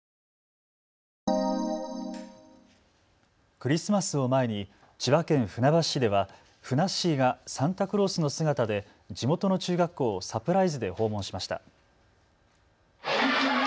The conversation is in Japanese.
クリスマスを前に千葉県船橋市ではふなっしーがサンタクロースの姿で地元の中学校をサプライズで訪問しました。